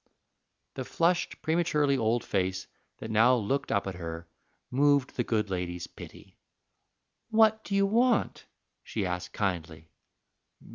The flushed, prematurely old face that now looked up at her moved the good lady's pity. "What do you want?" she asked kindly.